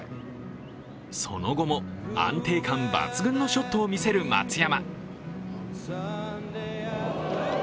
その後も、安定感抜群のショットを見せる松山。